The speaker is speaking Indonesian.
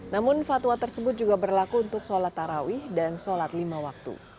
namun fatwa tersebut juga berlaku untuk sholat tarawih dan sholat lima waktu